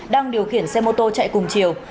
đang điều khiển xe mô tô chạy cùng chiều